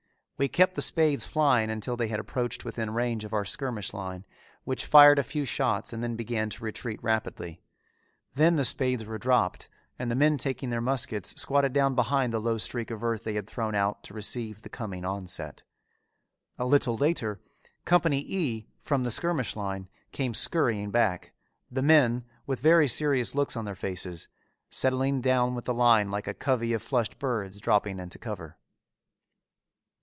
We kept the spades flying until they had approached within range of our skirmish line, which fired a few shots and then began to retreat rapidly. Then the spades were dropped and the men taking their muskets squatted down behind the low streak of earth they had thrown out to receive the coming onset. A little later Company E, from the skirmish line, came scurrying back, the men, with very serious looks on their faces, settling down with the line like a covey of flushed birds dropping into cover.